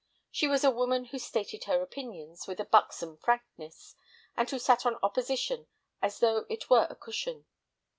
She was a woman who stated her opinions with a buxom frankness, and who sat on opposition as though it were a cushion.